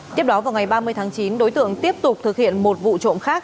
tiếp đó vào ngày ba mươi tháng chín đối tượng tiếp tục thực hiện một vụ trộm khác